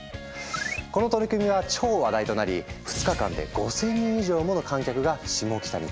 この取り組みは超話題となり２日間で５，０００人以上もの観客がシモキタに詰めかけた。